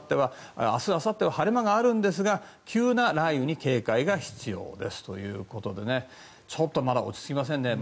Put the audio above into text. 明日あさっては晴れ間があるんですが急な雷雨に警戒が必要ですということでちょっとまだ落ち着きませんね。